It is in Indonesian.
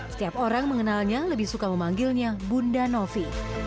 setiap orang mengenalnya lebih suka memanggilnya bunda novi